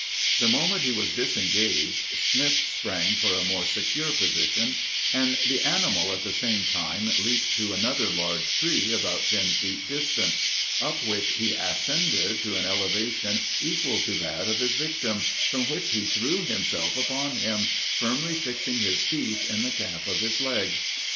The moment he was disengaged, Smith sprang for a more secure position, and the animal at the same time leaped to another large tree, about ten feet distant, up which he ascended to an elevation equal to that of his victim, from which he threw himself upon him, firmly fixing his teeth in the calf of his leg.